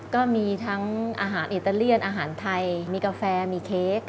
ก็มีทั้งอาหารอิตาเลียนอาหารไทยมีกาแฟมีเค้ก